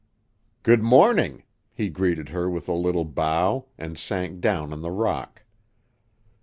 "Good morning." He greeted her with a little bow, and sank down on the rock.